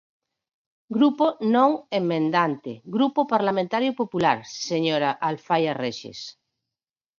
Grupo non emendante, Grupo Parlamentario Popular, señora Alfaia Rexes.